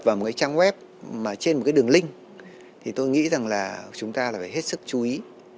với trang web trên một đường link tôi nghĩ chúng ta phải hết sức chú ý